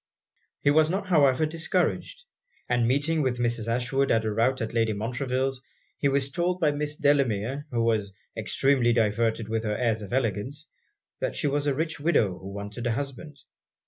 He was not however discouraged; and meeting with Mrs. Ashwood at a rout at Lady Montreville's, he was told by Miss Delamere, who was extremely diverted with her airs of elegance, that she was a rich widow who wanted a husband.